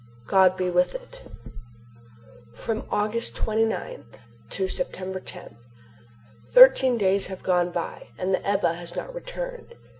GOD BE WITH IT. From August 29 to September 10. Thirteen days have gone by and the Ebba has not returned.